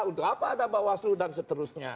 untuk apa ada bawah sludan seterusnya